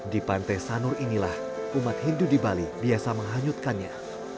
di pantai sanur inilah umat hindu di bali biasa menghanyutkannya